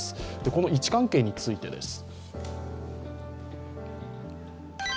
この位置関係についてです。